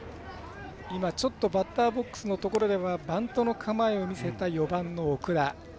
バッターボックスのところではバントの構えを見せた４番の奥田。